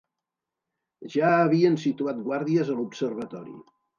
Ja havien situat guàrdies a l'observatori.